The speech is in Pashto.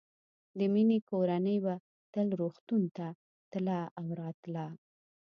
د مينې کورنۍ به تل روغتون ته تله او راتله